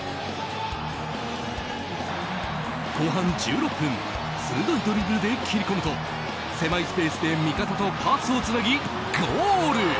後半１６分鋭いドリブルで切り込むと狭いスペースで味方とパスをつなぎ、ゴール！